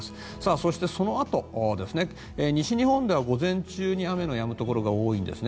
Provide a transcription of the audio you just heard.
そして、そのあと西日本では午前中に雨のやむところが多いんですね。